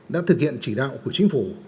đã thực hiện chỉ đạo của chính phủ